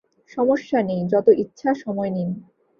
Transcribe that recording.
সমস্যা নেই, যত ইচ্ছা সময় নিন।